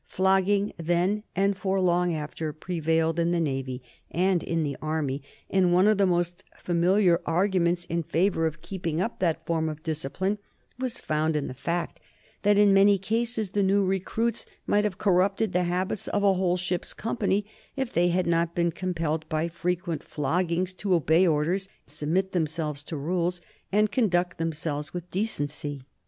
Flogging then, and for long after, prevailed in the Navy and in the Army, and one of the most familiar arguments in favor of keeping up that form of discipline was found in the fact that in many cases the new recruits might have corrupted the habits of a whole ship's company if they had not been compelled by frequent floggings to obey orders, submit themselves to rules, and conduct themselves with decency.